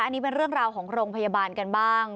อันนี้เป็นเรื่องราวของโรงพยาบาลกันบ้าง